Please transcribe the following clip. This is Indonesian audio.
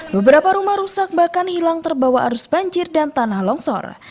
beberapa rumah rusak bahkan hilang terbawa arus banjir dan tanah longsor